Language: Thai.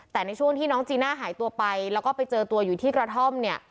แต่ในช่วงที่น้องจีน่าหายตัวไปแล้วก็ไปเจอตัวอยู่ที่กระท่อมเนี่ย